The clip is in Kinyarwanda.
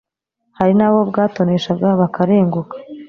Hari n'abo bwatoneshaga bakarenguka.